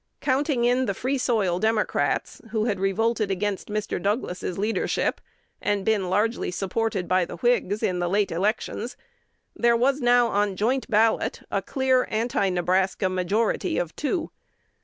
Counting in the Free soil Democrats, who had revolted against Mr. Douglas's leadership, and been largely supported the Whigs in the late elections, there was now on joint ballot a clear Anti Nebraska majority of two.